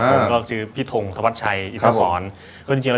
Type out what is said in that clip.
พี่ทงก็ชื่อพี่ทงธวัดชัยอิทธาศร